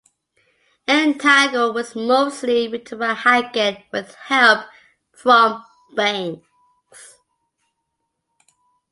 "Entangled" was mostly written by Hackett, with help from Banks.